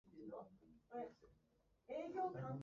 何故再び飲まれようとするのか、理由がわからなかった